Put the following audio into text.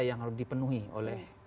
yang harus dipenuhi oleh